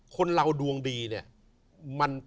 คนเราดวงดีเนี่ย